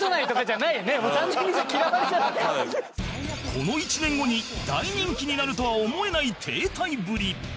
この１年後に大人気になるとは思えない停滞ぶり